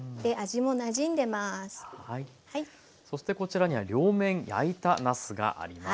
そしてこちらには両面焼いたなすがあります。